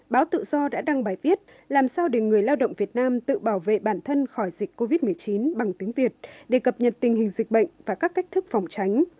báo tự do đã đăng bài viết làm sao để người lao động việt nam tự bảo vệ bản thân khỏi dịch covid một mươi chín bằng tiếng việt để cập nhật tình hình dịch bệnh và các cách thức phòng tránh